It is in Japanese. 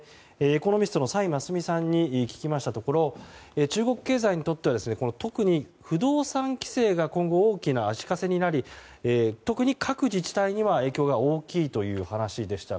エコノミストの崔真淑さんに伺いますと、中国経済にとって特に不動産規制が今後、大きな足かせになり特に各自治体には影響が大きいという話でした。